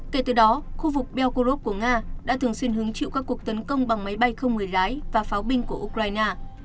kể từ đó khu vực belkorov của nga đã thường xuyên hứng chịu các cuộc tấn công bằng máy bay không người lái và pháo binh của ukraine